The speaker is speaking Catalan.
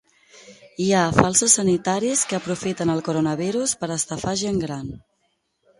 Hi ha "falsos sanitaris" que aprofiten el coronavirus per estafar gent gran.